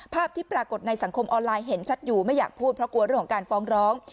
ภาพที่ปรากฏในสังคมออนไลน์เห็นชัดอยู่ไม่อยากพูดเพราะกลัวเรื่องของการฟ้องร้อง